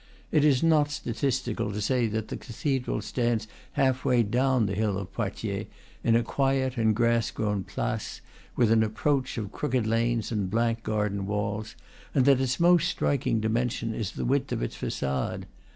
It is not statistical to say that the cathedral stands half way down the hill of Poitiers, in a quiet and grass grown place, with an approach of crooked lanes and blank garden walls, and that its most striking dimension is the width of its facade.